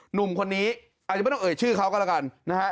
หนุ่มคนนี้อาจจะไม่ต้องเอ่ยชื่อเขาก็แล้วกันนะฮะ